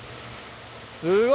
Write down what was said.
すごい。